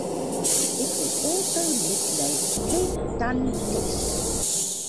It was also nicknamed "Ten ton Tess".